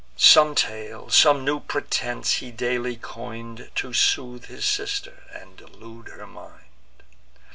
Some tale, some new pretence, he daily coin'd, To soothe his sister, and delude her mind.